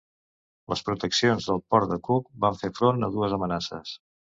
Les proteccions del port de Cork van fer front a dues amenaces.